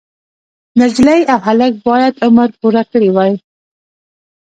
نجلۍ او هلک باید عمر پوره کړی وای.